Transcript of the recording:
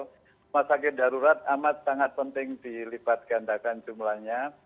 rumah sakit darurat amat sangat penting dilipat gandakan jumlahnya